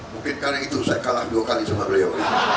mungkin karena itu saya kalah dua kali sama beliau